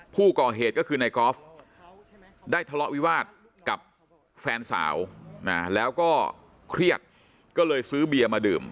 ผู้ก่อเหตุก็คือในกอล์ฟได้ทะเลาะวิวาสกับแฟนสาวนะแล้วก็เครียดก็เลยซื้อเบียร์มาดื่ม